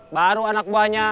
baru anak buahnya